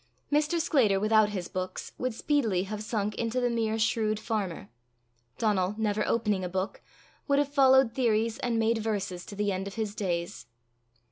Mr. Sclater without his books would speedily have sunk into the mere shrewd farmer; Donal, never opening a book, would have followed theories and made verses to the end of his days.